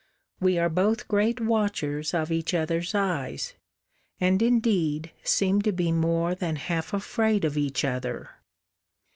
We are both great watchers of each other's eyes; and, indeed, seem to be more than half afraid of each other.